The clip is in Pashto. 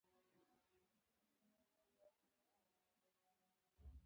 شکر د نعمتونو زیاتوالی دی.